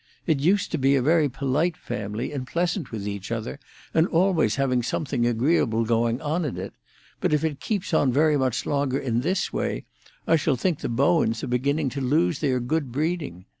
It used to be a very polite family, and pleasant with each other, and always having something agreeable going on in it; but if it keeps on very much longer in this way, I shall think the Bowens are beginning to lose their good breeding.